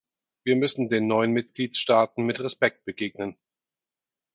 Wir müssen den neuen Mitgliedstaaten mit Respekt begegnen.